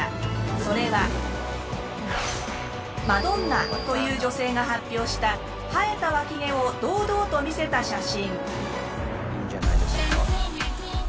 それはマドンナという女性が発表した生えたワキ毛を堂々と見せた写真。